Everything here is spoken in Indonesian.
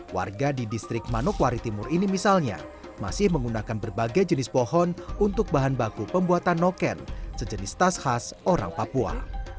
warga di distrik manokwari timur ini misalnya masih menggunakan berbagai jenis pohon untuk bahan baku pembuatan noken sejenis tas khas orang papua